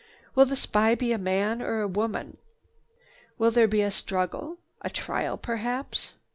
Will the spy be a man or a woman? Will there be a struggle, a trial perhaps?"